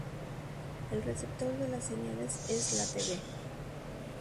El receptor de las señales es la tv.